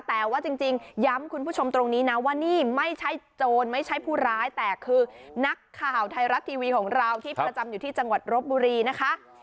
แต่ว่าจริงย้ำคุณผู้ชมตรงนี้นะว่านี่ไม่ใช่โจรไม่ใช่ผู้ร้ายแต่คือนักข่าวไทยรัฐทีวีของเราที่ประจำอยู่ที่จังหวัดรบบุรีนะคะ